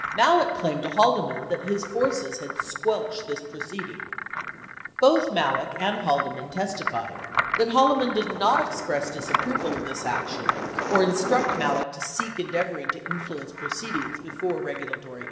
91 ) Malek claimed to Haldeman that his forces had squelched this proceeding. Both Malek and Haldeman testified that Haldeman did not express dis approval of this action or instruct Malek to cease endeavoring to in fluence proceedings before regulatory agencies.